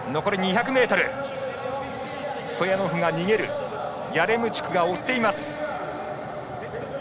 ストヤノフが逃げるヤレムチュクが追っています。